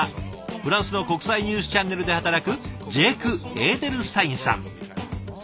フランスの国際ニュースチャンネルで働くジェイク・エーデルスタインさん。